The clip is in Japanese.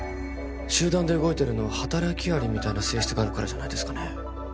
集団で動いてるのは働き蟻みたいな性質があるからじゃないですかね